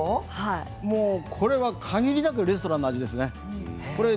これは限りなくレストランの味ですね。